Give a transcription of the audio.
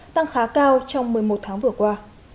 tăng khá cao trong một mươi một tháng vừa qua